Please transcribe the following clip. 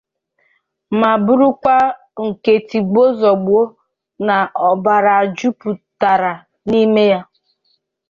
ma bụrụkwazie nke tigbuo zọgbuo na ọgbaaghara jupụtara n'ime ya